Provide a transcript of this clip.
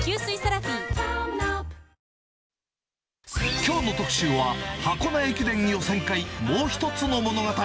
きょうの特集は、箱根駅伝予選会もう一つの物語。